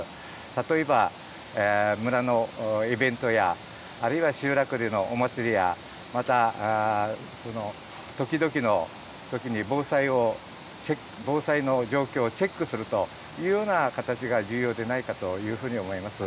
例えば村のイベントや、あるいは集落でのお祭りや、また、その時々のときに、防災の状況をチェックするというような形が重要でないかというふうに思います。